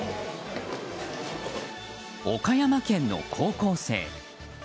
岡山県の高校生。